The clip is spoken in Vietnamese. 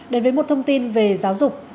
đến với một thông tin về giáo dục